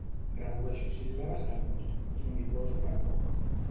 Redueixo síl·labes del mot, i no m'hi poso per poc.